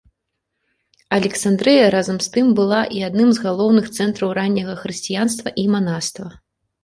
Александрыя разам з тым была і адным з галоўных цэнтраў ранняга хрысціянства і манаства.